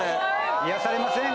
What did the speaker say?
癒やされません？